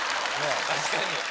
確かに。